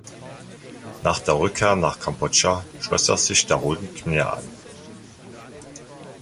Nach der Rückkehr nach Kambodscha schloss er sich den Roten Khmer an.